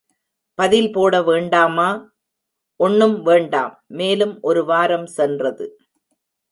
பதில் போட வேண்டாமா? ஒண்ணும் வேண்டாம். மேலும் ஒரு வாரம் சென்றது.